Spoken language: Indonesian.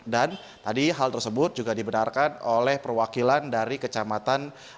dan tadi hal tersebut juga dibenarkan oleh perwakilan dari kecamatan